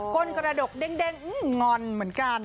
้นกระดกเด้งงอนเหมือนกัน